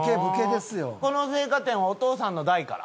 この青果店はお父さんの代から？